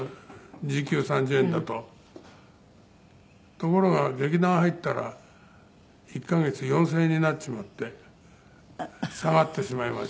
ところが劇団入ったら１カ月４０００円になっちまって下がってしまいましたね。